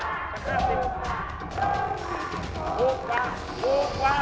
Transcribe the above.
ถูกกว่า